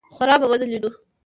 خورا به وځلېدو.